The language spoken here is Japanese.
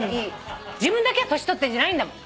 自分だけが年取ってんじゃないんだもん。